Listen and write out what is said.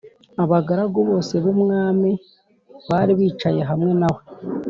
Abagaragu bose b umwami bari bicaye hamwe nawe